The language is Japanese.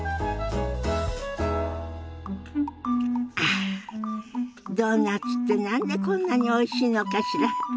あドーナツって何でこんなにおいしいのかしら。